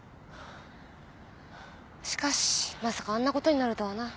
しかしまさかあんなことになるとはな。